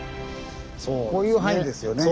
こういう範囲ですよね。